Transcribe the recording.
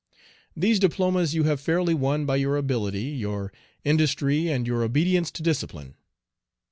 These diplomas you have fairly won by your ability, your industry, and your obedience to discipline.